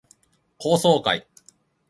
高層階